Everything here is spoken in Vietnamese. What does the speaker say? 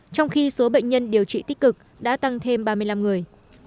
trong khi số bệnh nhân điều trị tích cực đã tăng thêm ba mươi năm người